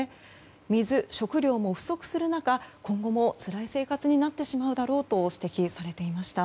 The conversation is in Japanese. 水・食料も不足する中今後もつらい生活になってしまうだろうと指摘されていました。